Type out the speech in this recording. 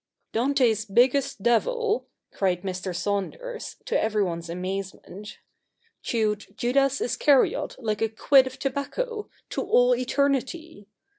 ' Dante's biggest devil,' cried Mr. Saunders, to every one's amazement, ' chewed Judas Iscariot like a quid of tobacco, to all eternity.